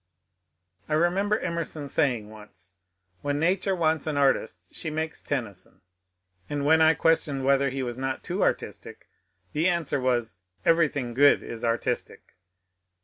I remember Emerson saying once, " When nature wants an artist she makes Tennyson," and when I questioned whether he was not too artistic, the answer was, " Everything good is artistic."